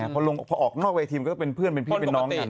พอออกนอกเวทีมันก็เป็นเพื่อนเป็นพี่เป็นน้องกัน